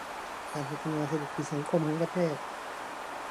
การพัฒนาเศรษฐกิจสังคมของประเทศ